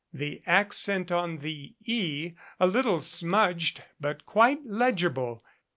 The accent on the E, a little smudged, but quite legible.